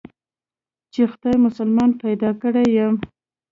چې خداى مسلمان پيدا کړى يم.